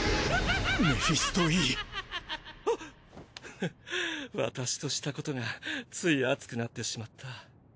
フッ私としたことがつい熱くなってしまった。